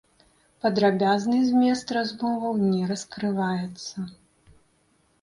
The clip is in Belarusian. Падрабязны змест размоваў не раскрываецца.